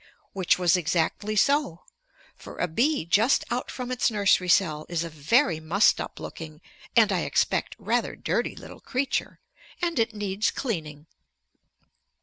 Which was exactly so. For a bee just out from its nursery cell is a very mussed up looking, and, I expect, rather dirty little creature. And it needs cleaning.